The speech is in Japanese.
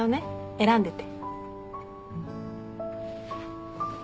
選んでて。